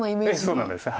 そうなんです。